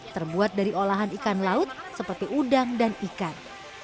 terbuat dari olahan ikan laut seperti udang dan ikan